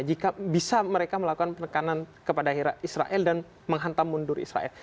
jika bisa mereka melakukan penekanan kepada israel dan menghantam mundur israel